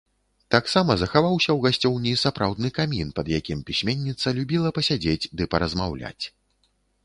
Таксама захаваўся ў гасцёўні сапраўдны камін, пад якім пісьменніца любіла пасядзець ды паразмаўляць.